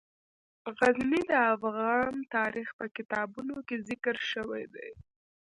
غزني د افغان تاریخ په کتابونو کې ذکر شوی دي.